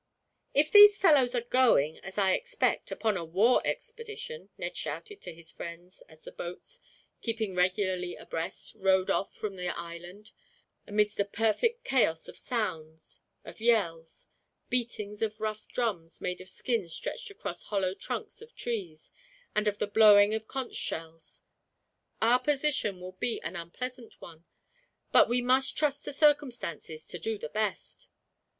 "If these fellows are going, as I expect, upon a war expedition," Ned shouted to his friends, as the boats, keeping regularly abreast, rowed off from the island; amidst a perfect chaos of sounds, of yells, beatings of rough drums made of skins stretched across hollow trunks of trees, and of the blowing of conch shells; "our position will be an unpleasant one. But we must trust to circumstances to do the best.